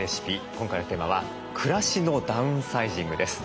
今回のテーマは「暮らしのダウンサイジング」です。